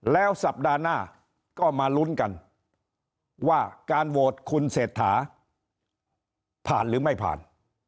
แล้วสัปดาห์หน้าก็มาลุ้นกันว่าการโหวตคุณเศรษฐาผ่านหรือไม่ผ่าน